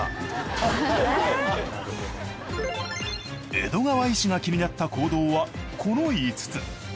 江戸川医師が気になった行動はこの５つ。